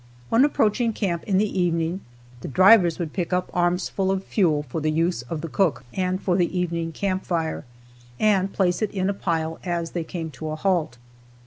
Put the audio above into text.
When approaching camp in the evening, the drivers would pick up armsfull of fuel for the use of the cook and for the evening camp fire, and place it in a pile as they came to a halt.